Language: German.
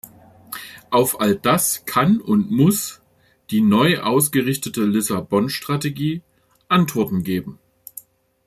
Auf all das kann und muss die neu ausgerichtete Lissabon-Strategie Antworten geben.